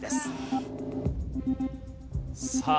さあ